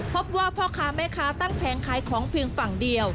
พ่อค้าแม่ค้าตั้งแผงขายของเพียงฝั่งเดียว